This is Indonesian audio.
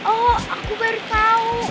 oh aku baru tau